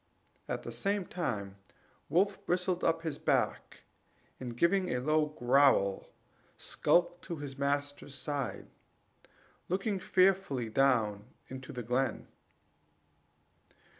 at the same time Wolf bristled up his back, and giving a low growl, skulked to his master's side, looking fearfully down into the glen.